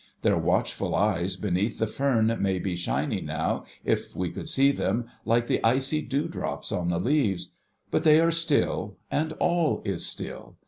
Their watchful eyes beneath the fern may be shining now, if we could see them, like the icy dewdrops on the leaves ; but they are still, and all is still.